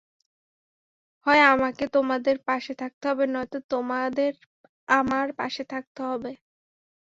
হয় আমাকে তোমাদের পাশে থাকতে হবে, নয়তো তোমাদের আমার পাশে থাকতে হবে।